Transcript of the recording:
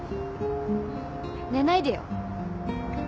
寝ないでよ。